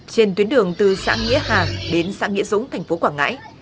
trên tuyến đường từ xã nghĩa hà đến xã nghĩa dũng thành phố quảng ngãi